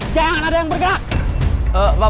jangan ada yang bergerak